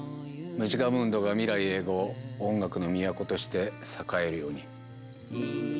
ムジカムンドが未来永劫音楽の都として栄えるように。